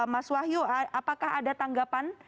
mas wahyu apakah ada tanggapan